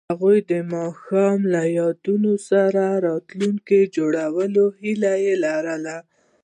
هغوی د ماښام له یادونو سره راتلونکی جوړولو هیله لرله.